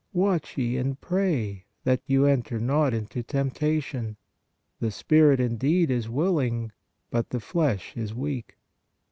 Watch ye and pray that you enter not into tempta tion. The spirit indeed is willing, but the flesh is weak."